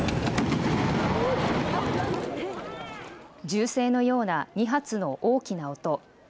銃声のような２発の大きな音。